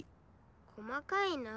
細かいな。